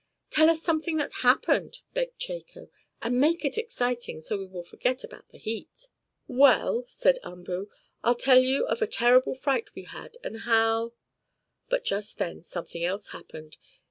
"Tell us something that happened!" begged Chako, "and make it exciting, so we will forget about the heat!" "Well," said Umboo, "I'll tell you of a terrible fright we had, and how " But just then something else happened.